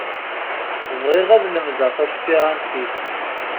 Bɣiɣ ad lemdeɣ taspirantit.